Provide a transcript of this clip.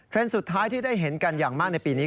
สุดท้ายที่ได้เห็นกันอย่างมากในปีนี้